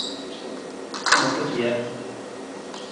Mata pija.